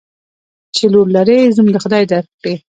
چی لور لرې ، زوم به خدای در کړي.